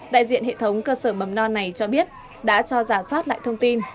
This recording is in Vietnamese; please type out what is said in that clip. đại diện hệ thống cơ sở mầm non này cho biết đã cho giả soát lại thông tin